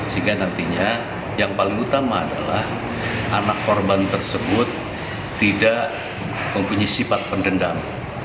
sehingga nantinya yang paling utama adalah anak korban tersebut tidak mempunyai sifat pendendam